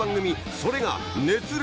それが『熱烈！